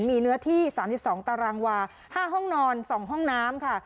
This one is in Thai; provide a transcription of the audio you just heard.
มีเนื้อที่สามยิบสองตารางวาห้าห้องนอนสองห้องน้ำค่ะ